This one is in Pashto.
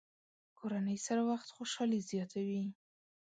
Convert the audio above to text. کورنۍ سره وخت خوشحالي زیاتوي.